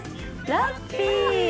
ラッピー。